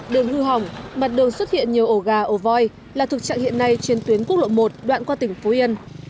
đường hư hỏng mặt đường xuất hiện nhiều ổ gà ổ voi là thực trạng hiện nay trên tuyến quốc lộ một đoạn qua tỉnh phú yên